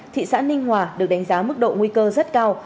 thị xã ninh hòa được đánh giá mức độ nguy cơ rất cao